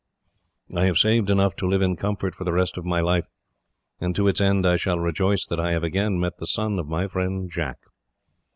I have saved enough to live in comfort for the rest of my life, and to its end I shall rejoice that I have again met the son of my friend Jack."